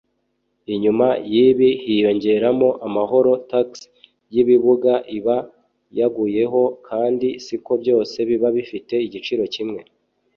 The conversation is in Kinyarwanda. Inyuma y’ibi hiyongeramo amahoro (tax) y’ibibuga iba yaguyeho kandi siko byose biba bifite igiciro kimwe